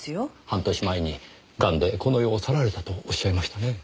半年前にガンでこの世を去られたとおっしゃいましたね。